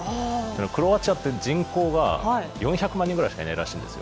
クロアチアって人口が４００万人ぐらいしかいないらしいんですよ。